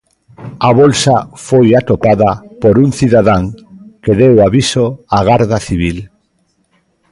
A bolsa foi atopada por un cidadán, que deu aviso á Garda Civil.